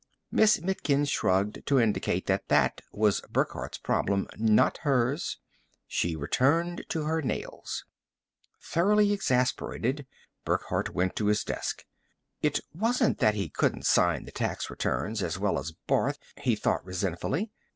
Miss Mitkin shrugged to indicate that that was Burckhardt's problem, not hers. She returned to her nails. Thoroughly exasperated, Burckhardt went to his desk. It wasn't that he couldn't sign the tax returns as well as Barth, he thought resentfully.